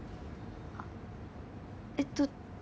あっえっと